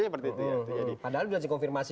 seperti itu padahal sudah dikonfirmasi